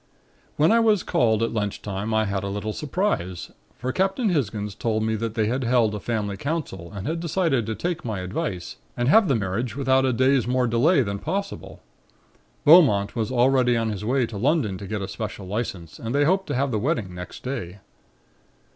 "When I was called at lunchtime I had a little surprise, for Captain Hisgins told me that they had held a family council and had decided to take my advice and have the marriage without a day's more delay than possible. Beaumont was already on his way to London to get a special License and they hoped to have the wedding next day.